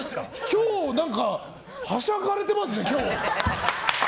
今日何か、はしゃがれてますね。